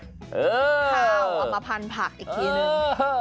เอามาพันผักอีกทีนึง